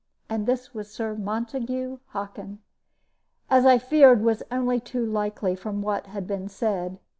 And this was Sir Montague Hockin, as I feared was only too likely from what had been said.